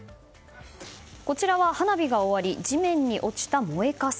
こちらは花火が終わり地面に落ちた燃えかす。